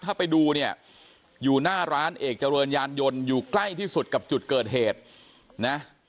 ถ้าไปดูเนี่ยอยู่หน้าร้านเอกเจริญยานยนต์อยู่ใกล้ที่สุดกับจุดเกิดเหตุนะ